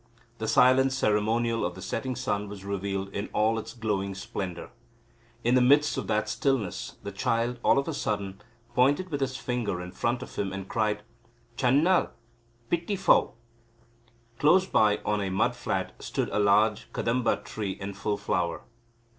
The silent ceremonial of the setting sun was revealed in all its glowing splendour. In the midst of that stillness the child, all of a sudden, pointed with his finger in front of him and cried: "Chan nal Pitty fow." Close by on a mud flat stood a large Kadamba tree in full flower.